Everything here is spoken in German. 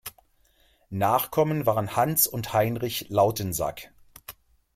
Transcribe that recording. Nachkommen waren Hanns und Heinrich Lautensack.